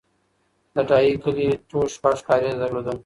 د ډایی کلی ټول شپږ کارېزه درلودل